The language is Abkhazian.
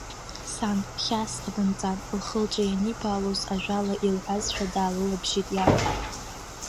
Сан, хьаас сҟабымҵан, лхы-лҿы ианибаалоз ажәала иалҳәазшәа даалылабжьеит иан.